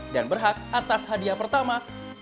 dan berhak atas hadiah pertama